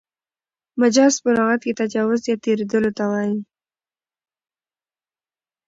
مجاز په لغت کښي تجاوز یا تېرېدلو ته وايي.